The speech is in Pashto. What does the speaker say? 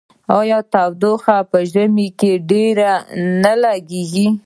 آیا تودوخه په ژمي کې ډیره نه لګیږي؟